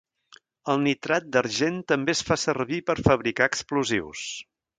El nitrat d'argent també es fa servir per fabricar explosius.